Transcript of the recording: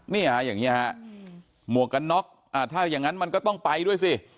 เนี่ยค่ะอย่างนี้ค่ะหมวกอนกน๊อกอ่ะถ้ายังงั้นมันก็ต้องไปด้วยสิ